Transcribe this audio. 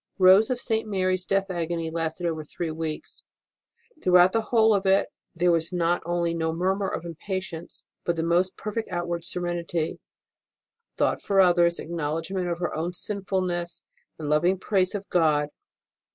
Rose of St. Mary s death agony lasted over three weeks. Throughout the whole of it there was not only no murmur of impatience, but the most perfect outward serenity, thought for others, acknowledgment of her own sinfulncss, and loving praise of God.